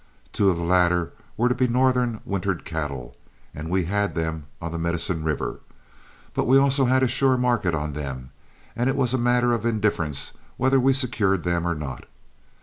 Two of the latter were to be northern wintered cattle, and we had them on the Medicine River; but we also had a sure market on them, and it was a matter of indifference whether we secured them or not.